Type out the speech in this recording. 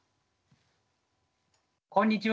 こんにちは。